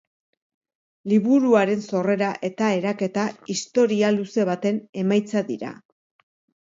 Liburuaren sorrera eta eraketa historia luze baten emaitza dira.